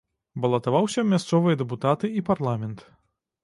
Балатаваўся ў мясцовыя дэпутаты і парламент.